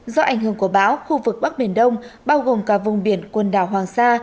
do ảnh hưởng của báo khu vực bắc biển đông bao gồm cả vùng biển quần đảo hoàng sa